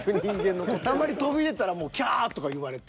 たまに跳び出たらキャとか言われて。